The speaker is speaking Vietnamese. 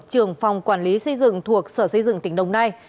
trưởng phòng quản lý xây dựng thuộc sở xây dựng tỉnh đồng nai